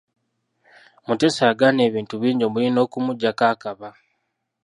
Muteesa yagaana ebintu bingi omuli n'okumuggyako akaba.